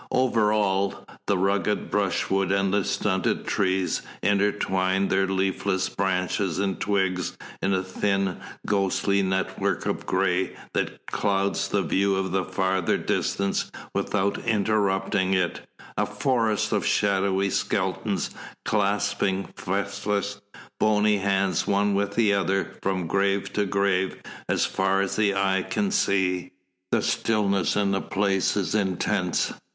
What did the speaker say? Over all, the rugged brushwood and the stunted trees intertwine their leafless branches and twigs in a thin, ghostly network of gray, that clouds the view of the farther distance without interrupting it, a forest of shadowy skeletons clasping fleshless, bony hands one with another, from grave to grave, as far as the eye can see. The stillness in the place is intense.